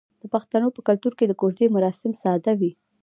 د پښتنو په کلتور کې د کوژدې مراسم ساده وي.